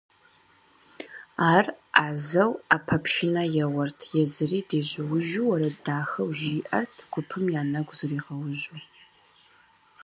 Ар ӏэзэу ӏэпэпшынэ еуэрт, езыри дежьуужу, уэрэд дахэу жиӏэрт, гупым я нэгу зригъэужьу.